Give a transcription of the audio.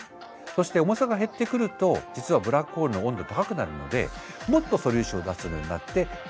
そして重さが減ってくると実はブラックホールの温度高くなるのでもっと素粒子を出せるようになってどんどん減っていく。